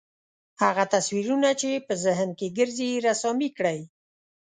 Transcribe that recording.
هغه تصویرونه چې په ذهن کې ګرځي رسامي کړئ.